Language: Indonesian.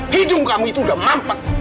hidung kamu itu udah mampat